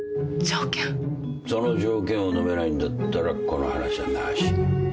その条件をのめないんだったらこの話はなしだ。